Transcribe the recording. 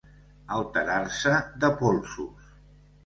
Alterar-se de polsos.